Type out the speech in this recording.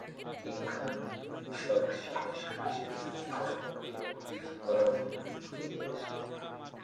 তিনি অনুষদ সদস্য হিসাবে রবীন্দ্রনাথ ঠাকুরের কলাভবনে চলে আসেন।